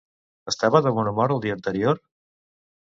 Estava de bon humor el dia anterior?